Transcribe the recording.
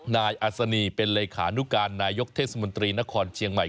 นายอัศนีเป็นเลขานุการนายกเทศมนตรีนครเชียงใหม่